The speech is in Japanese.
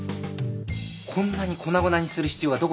こんなに粉々にする必要がどこにある？